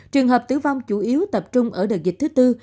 trường hợp tử vong chủ yếu tập trung ở đợt dịch thứ tư